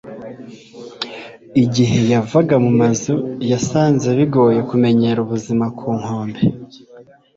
igihe yavaga mu mazi, yasanze bigoye kumenyera ubuzima ku nkombe